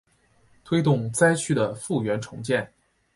推动灾区的复原重建